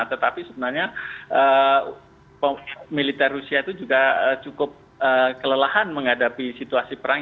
tetapi sebenarnya militer rusia itu juga cukup kelelahan menghadapi situasi perang